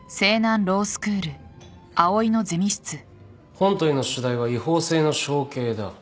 本問の主題は違法性の承継だ。